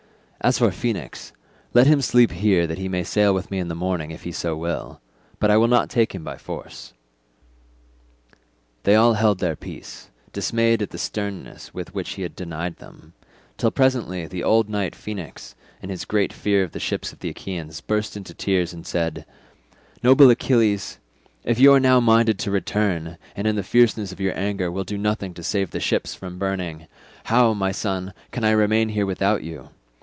As for Phoenix, let him sleep here that he may sail with me in the morning if he so will. But I will not take him by force." They all held their peace, dismayed at the sternness with which he had denied them, till presently the old knight Phoenix in his great fear for the ships of the Achaeans, burst into tears and said, "Noble Achilles, if you are now minded to return, and in the fierceness of your anger will do nothing to save the ships from burning, how, my son, can I remain here without you?